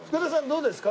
どうですか？